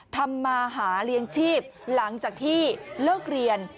ทำมาหาเลี้ยงชีพหลังจากที่เลิกเรียน